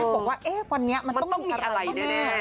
บอกว่าวันนี้มันต้องมีอะไรแน่